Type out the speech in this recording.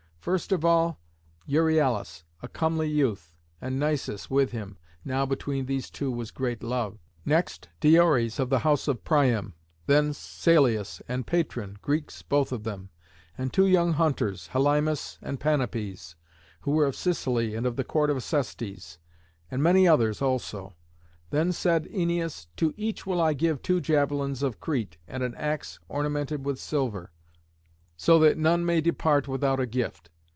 First of all Euryalus, a comely youth, and Nisus with him (now between these two was great love); next, Diores, of the house of Priam, then Salius and Patron, Greeks both of them; and two young hunters, Helymus and Panopes, who were of Sicily and of the court of Acestes, and many others also. Then said Æneas, "To each will I give two javelins of Crete and an axe ornamented with silver, so that none may depart without a gift.